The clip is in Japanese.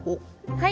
はい！